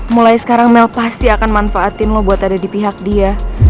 mulai sekarang mel pasti akan manfaatin lo buat ada di pihak dia